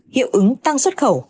hiệu ứng tăng xuất khẩu